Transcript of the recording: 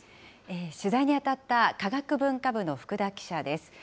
取材に当たった科学文化部の福田記者です。